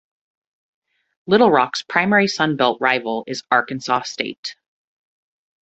Little Rock's primary Sun Belt rival is Arkansas State.